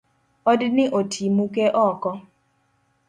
Odni oti muke oko.